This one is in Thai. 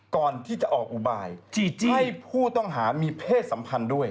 ก่อนที่จะออกอุบายให้ผู้ต้องหามีเพศสัมพันธ์ด้วย